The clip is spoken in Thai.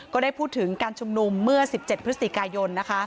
ก็ได้พูดถึงการชุมนุมเมื่อ๑๗พฤศจิกายน